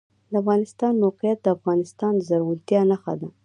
د افغانستان موقعیت د افغانستان د زرغونتیا نښه ده.